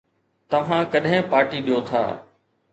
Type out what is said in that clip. توهان ڪڏهن پارٽي ڏيو ٿا؟